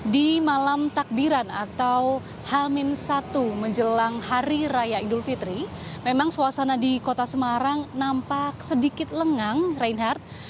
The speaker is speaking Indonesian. di malam takbiran atau hamin satu menjelang hari raya idul fitri memang suasana di kota semarang nampak sedikit lengang reinhardt